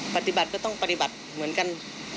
ปฏิบัติก็ต้องปฏิบัติเหมือนกัน